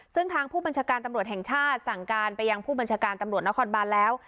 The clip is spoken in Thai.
ซึ่งทางผู้บัญชาการตำรวจแห่งชาติสั่งการไปยังผู้บัญชาการตำรวจนครบานแล้ว